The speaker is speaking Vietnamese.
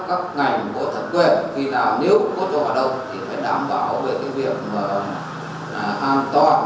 và để các ngành của thần quê khi nào nếu có cho hoạt động thì phải đảm bảo về việc an toàn